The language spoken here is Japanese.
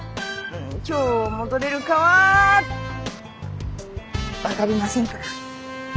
今日戻れるかは分かりませんから。